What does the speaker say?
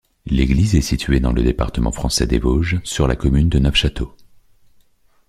L'église est située dans le département français des Vosges, sur la commune de Neufchâteau.